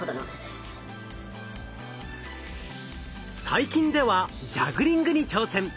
最近ではジャグリングに挑戦。